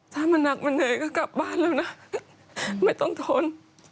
ถ้ามันหนักมันเหนื่อยก็กลับบ้านแล้วนะไม่ต้องทน